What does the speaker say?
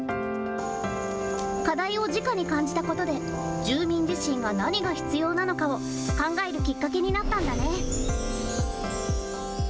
課題をじかに感じたことで住民自身が何が必要なのかを考えるきっかけになったんだね。